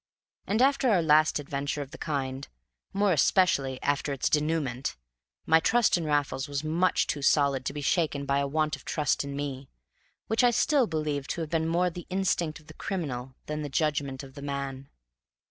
And, after our last adventure of the kind, more especially after its denouement, my trust in Raffles was much too solid to be shaken by a want of trust in me, which I still believe to have been more the instinct of the criminal than the judgment of the man.